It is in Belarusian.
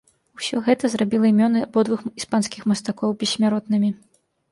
Усё гэта зрабіла імёны абодвух іспанскіх мастакоў бессмяротнымі.